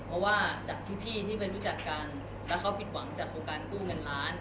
เพราะว่าจากพี่ที่เป็นรู้จักกันแล้วเขาผิดหวังจากโครงการกู้เงินล้าน